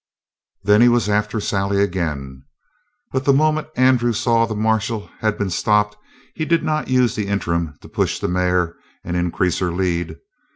Then he was after Sally again. But the moment that Andrew saw the marshal had been stopped he did not use the interim to push the mare and increase her lead.